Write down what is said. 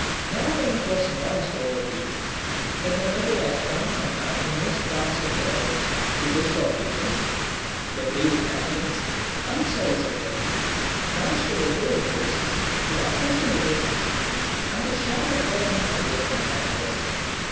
Now when it was noised over Greece that the Mede had come from the uttermost parts of the earth to destroy Athens, the brave Plataeans, unsolicited, marched with their whole force to assist in the defence, and to share the fortunes of their benefactors.